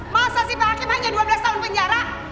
masa sih pak hakim aja dua belas tahun penjara